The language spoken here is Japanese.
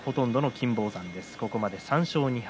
金峰山、ここまで３勝２敗。